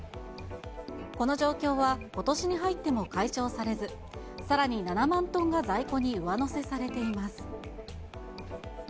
この状況はことしに入っても解消されず、さらに７万トンが在庫に上乗せされています。